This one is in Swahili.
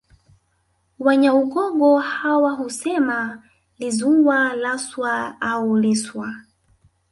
Wanyaugogo hawa husema lizuwa laswa au liswa